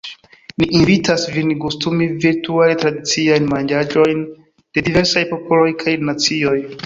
Ni invitas vin “gustumi” virtuale tradiciajn manĝaĵojn de diversaj popoloj kaj nacioj.